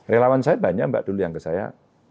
relawan saya banyak mbak dulu yang ke saya